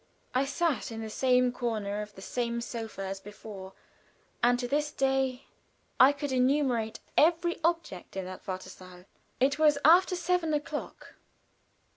I sat in the same corner of the same sofa as before, and to this day I could enumerate every object in that wartesaal. It was after seven o'clock.